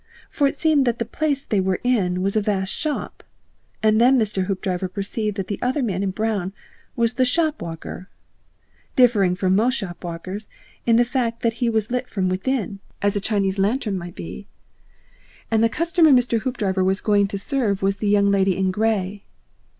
For it seemed that the place they were in was a vast shop, and then Mr. Hoopdriver perceived that the other man in brown was the shop walker, differing from most shop walkers in the fact that he was lit from within as a Chinese lantern might be. And the customer Mr. Hoopdriver was going to serve was the Young Lady in Grey.